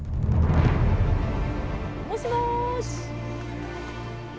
もしもーし！